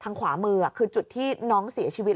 ขวามือคือจุดที่น้องเสียชีวิต